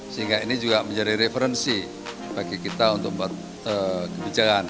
sehingga ini juga menjadi referensi bagi kita untuk membuat kebijakan